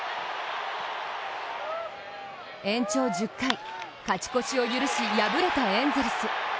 延長１０回、勝ち越しを許し敗れたエンゼルス。